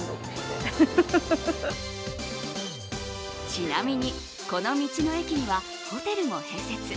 ちなみにこの道の駅にはホテルも併設。